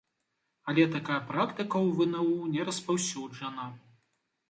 Але такая практыка ў вну не распаўсюджана.